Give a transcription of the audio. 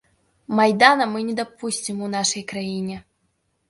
Майдана мы не дапусцім у нашай краіне!